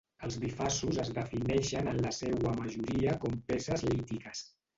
Els bifaços es defineixen en la seua majoria com peces lítiques.